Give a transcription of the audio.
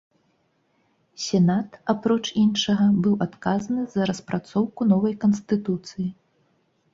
Сенат, апроч іншага, быў адказны за распрацоўку новай канстытуцыі.